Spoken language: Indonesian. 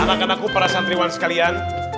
anak anakku para santriwan sekalian